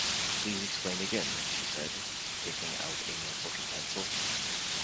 "Please explain again," she said, taking out a notebook and pencil.